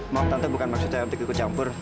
mau tante bukan maksud saya untuk ikut campur